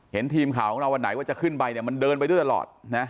เห็นทีมข่าวของเราวันไหนว่าจะขึ้นไปเนี่ยมันเดินไปด้วยตลอดนะ